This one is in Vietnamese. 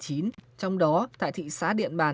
trong đó tại thị xã điện bàn